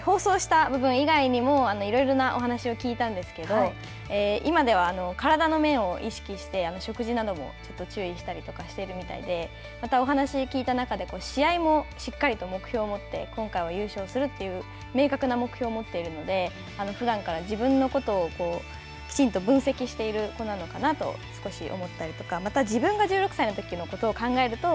放送した部分以外にもいろいろなお話を聞いたんですけれども今では、体の面を意識して食事なども注意したりとかしているみたいでまた、お話を聞いた中で試合もしっかりと目標を持って今回は優勝するという明確な目標を持っているのでふだんから自分のことをきちんと分析している子なのかなと少し思ったりとか